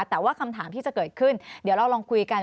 แต่ว่าคำถามที่จะเกิดขึ้นเดี๋ยวเราลองคุยกัน